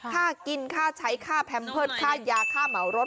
ค่ากินค่าใช้ค่าแพมเพิร์ตค่ายาค่าเหมารถ